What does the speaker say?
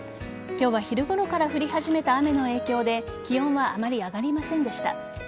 今日は昼ごろから降り始めた雨の影響で気温はあまり上がりませんでした。